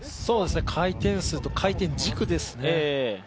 回転数と回転軸ですね。